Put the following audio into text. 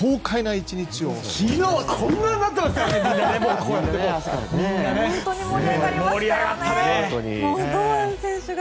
昨日はこんなになってましたからね、みんな。